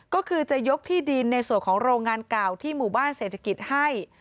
ก็คือจะยกที่ดินในส่วนของโรงงานเก่าที่หมู่บ้านเศรษฐกิจให้